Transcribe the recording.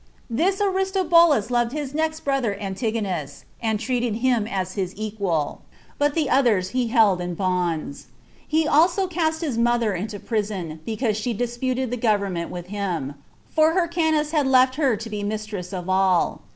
This Aristobulus loved his next brother Antigonus, and treated him as his equal; but the others he held in bonds. He also cast his mother into prison, because she disputed the government with him; for Hyrcanus had left her to be mistress of all.